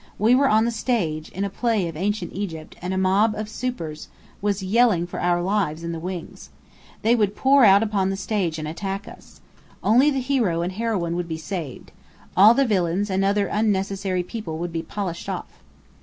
We were on the stage, in a play of Ancient Egypt, and a mob of supers was yelling for our lives in the wings. They would pour out upon the stage and attack us. Only the hero and heroine would be saved. All the villains and other unnecessary people would be polished off.